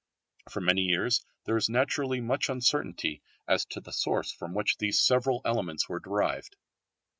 For many years there was naturally much uncertainty as to the source from which these several elements were derived.